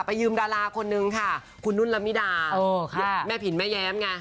ยืมดาราคนนึงค่ะคุณนุ่นละมิดาแม่ผินแม่แย้มไง